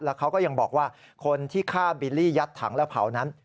เขาก็ยังบอกว่าคนที่ฆ่าบิลลี่ยัดถังและเผานั้น